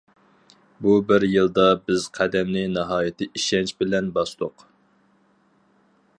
بۇ بىر يىلدا بىز قەدەمنى ناھايىتى ئىشەنچ بىلەن باستۇق.